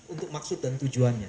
untuk maksud dan tujuannya